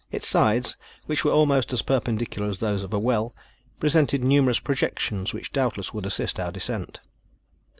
Its sides, which were almost as perpendicular as those of a well, presented numerous projections which doubtless would assist our descent.